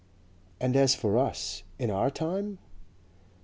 "And as for us in our time?"